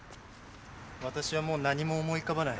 私はもう何も思い浮かばない。